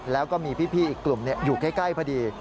แล้วก็มีพี่อีกกลุ่มอยู่ใกล้พอดี